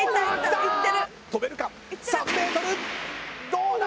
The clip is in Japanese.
どうだ？